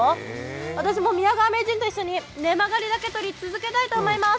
私も宮川名人と一緒にネマガリダケ採り続けたいと思います。